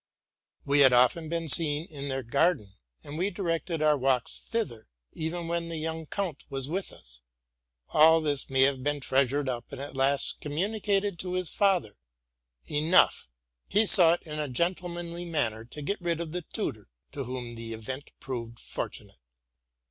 We had often been seen in their garden; and we directed our walks thither, even when the young count was with us. All this may have been treasured up, "and at last communicated to his father: enough, he sought, in a gentle 254 TRUTH AND FICTION manly manner, to get rid of the tutor, to whom the event proved fortunate.